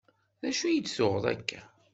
D acu i d-tuɣeḍ akka?